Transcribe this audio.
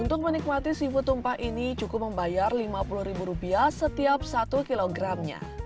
untuk menikmati seafood tumpah ini cukup membayar rp lima puluh setiap satu kg nya